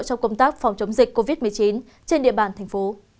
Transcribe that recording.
trong công tác phòng chống dịch covid một mươi chín trên địa bàn thành phố